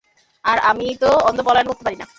আর আমি তো অন্ধ পলায়ন করতে পারি না।